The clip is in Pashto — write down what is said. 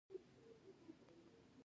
پلټنه وکړئ